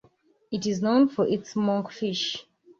It is known for its monkfish.